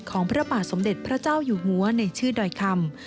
พระบาทสมเด็จพระเจ้าอยู่หัวในชื่อดอยคำ